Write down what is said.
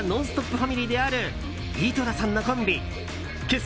ファミリーである井戸田さんのコンビ結成